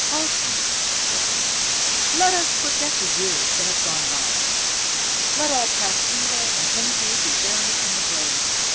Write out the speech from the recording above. "Halfdan," he said, "let us forget the years that have gone by. Let all past evil and injury be buried in the grave.